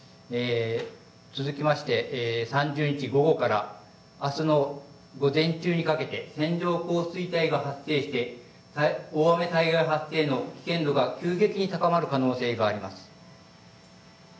続きまして３０日午後からあすの午前中にかけて線状降水帯が発生して大雨災害発生の危険度が急激に高まる可能性があります。